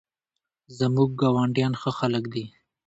زموږ ګاونډیان ښه خلک دي